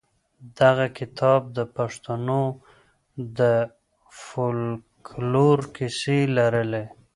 دغه کتاب د پښتنو د فولکلور کیسې لرلې.